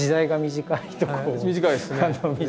短いですね大正。